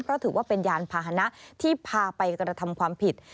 เพราะถือว่าเป็นยานพาหนะที่พาไปกระทำความผิด